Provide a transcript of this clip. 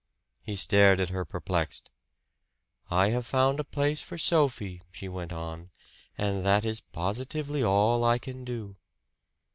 He stared at her perplexed. "I have found a place for Sophie," she went on, "and that is positively all I can do."